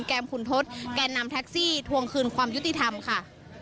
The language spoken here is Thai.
แมมคุณทศแก่นำแท็กซี่ทวงคืนความยุติธรรมค่ะ